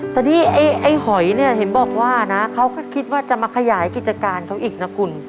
แต่นี่ไอ้หอยเนี่ยเห็นบอกว่านะเขาก็คิดว่าจะมาขยายกิจการเขาอีกนะคุณ